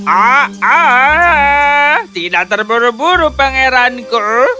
ah ah ah tidak terburu buru pangeranku